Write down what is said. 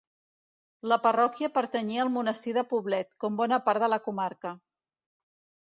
La parròquia pertanyia al monestir de Poblet, com bona part de la comarca.